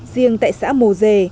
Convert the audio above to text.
riêng tại xã mồ dề